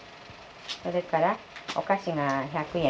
それからお菓子が１００円。